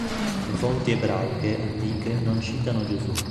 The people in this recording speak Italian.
Le fonti ebraiche antiche non citano Gesù.